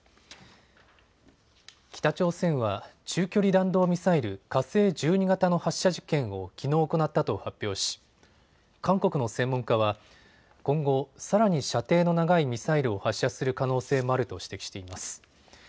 北朝鮮は中距離弾道ミサイル、火星１２型の発射実験をきのう行ったと発表し韓国の専門家は今後、さらに射程の長いミサイルを発射する可能性もあると指摘しています。